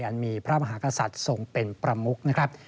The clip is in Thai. อันมีพระมหากษัตริย์ทรงเป็นประมุกนะครับ